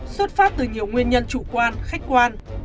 xuất phát từ nhiều nguyên nhân chủ quan khách quan